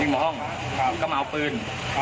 ก็มาเอาปืน